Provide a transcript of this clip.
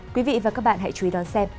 quý vị và các bạn hãy chú ý đón xem